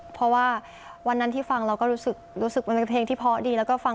เพราะว่าวันนั้นที่ฟังเราก็รู้สึกมันเป็นเพลงที่เพาะดีแล้วก็ฟัง